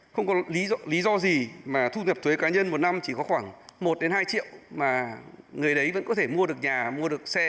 không có lý do gì mà thu nhập thuế cá nhân một năm chỉ có khoảng một đến hai triệu mà người đấy vẫn có thể mua được nhà mua được xe